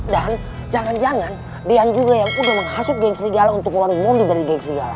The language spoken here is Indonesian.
dan jangan jangan deyan juga yang udah menghasut geng serigala untuk keluarin robby dari geng serigala